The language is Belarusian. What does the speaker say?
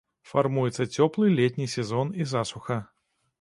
Фармуецца цёплы летні сезон і засуха.